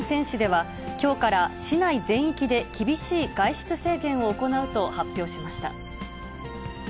市では、きょうから市内全域で厳しい外出制限を行うと発表しました。